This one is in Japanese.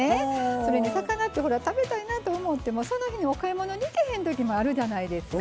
それに魚ってほら食べたいなと思ってもその日にお買い物に行けへん時もあるじゃないですか。